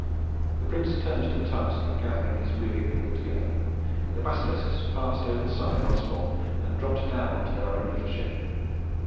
The Prince turned to the task of gathering his weary people together, and the Basilisks passed over the side once more and dropped down on to their own little ship.